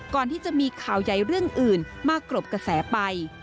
ก่อนที่จะมีข่าวใหญ่เรื่องอื่นมากรบกระแสไป